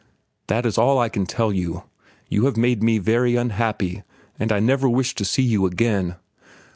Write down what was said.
That is all I can tell you. You have made me very unhappy, and I never wish to see you again."